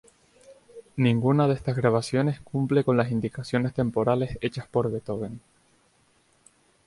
Ninguna de estas grabaciones cumple con las indicaciones temporales hechas por Beethoven.